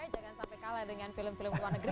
jangan sampai kalah dengan film film luar negeri